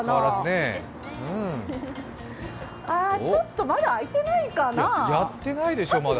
ちょっとまだ開いてないかな。